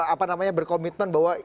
apa namanya berkomitmen bahwa